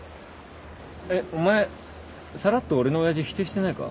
えっお前さらっと俺の親父否定してないか？